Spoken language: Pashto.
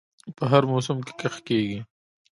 په هر موسم کې کښت کیږي.